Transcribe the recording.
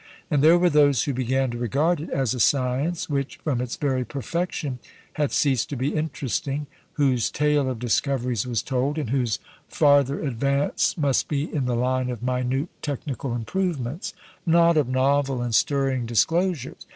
And there were those who began to regard it as a science which, from its very perfection, had ceased to be interesting whose tale of discoveries was told, and whose farther advance must be in the line of minute technical improvements, not of novel and stirring disclosures.